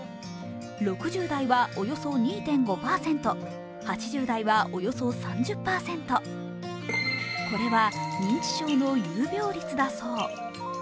６０代はおよそ２．５％、８０代はおよそ３０％、これは認知症の有病率だそう。